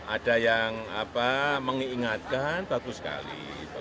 ada yang mengingatkan bagus sekali